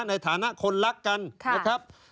ในฐานะคนรักกันนะครับ